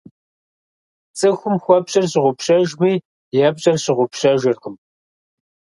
ЦӀыхум хуэпщӀэр щыгъупщэжми, епщӀэр щыгъупщэжыркъым.